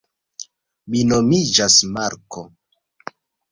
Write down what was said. Mi nomiĝas Marko